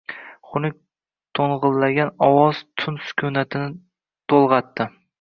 Xunuk to‘ng‘illagan ovoz tun sukunatini to‘lg‘atdi.